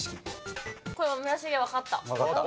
これ村重分かった。